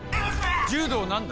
柔道何段？